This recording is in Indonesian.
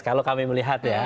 kalau kami melihat ya